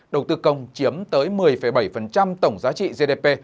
đầu tư công chiếm tới một mươi bảy tổng giá trị gdp